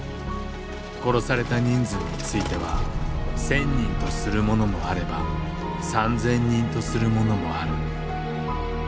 殺された人数については１，０００人とする者もあれば３，０００人とする者もある。